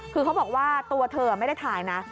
คือเขาบอกว่าตัวเธอไม่ได้ถ่ายนะ